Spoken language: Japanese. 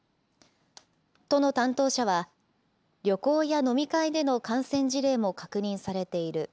都の担当者は、旅行や飲み会での感染事例も確認されている。